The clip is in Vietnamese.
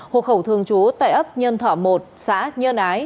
hộ khẩu thường trú tại ấp nhân thọ một xã nhân ái